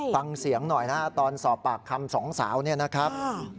ฟังเสียงหน่อยนะฮะตอนสอบปากคำสองสาวเนี่ยนะครับ